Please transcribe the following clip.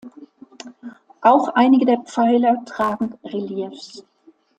Auch einige der Pfeiler tragen Reliefs.